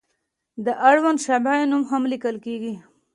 د اړونده شعبې نوم هم لیکل کیږي.